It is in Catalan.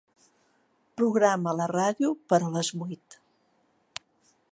Programa la ràdio per a les vuit.